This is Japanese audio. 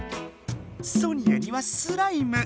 ソニアにはスライム！